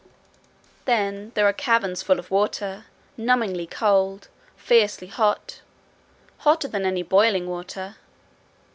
Then there are caverns full of water, numbingly cold, fiercely hot hotter than any boiling water.